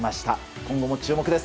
今後も注目です。